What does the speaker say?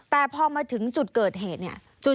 แต่พอมาถึงจุดเกิดเหตุ